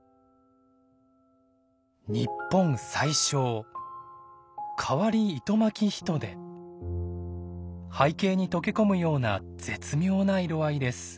日本最小背景に溶け込むような絶妙な色合いです。